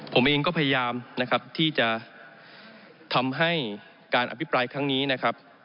ผมเองก็พยายามนะครับที่จะทำให้การอภิปรายครั้งนี้นะครับ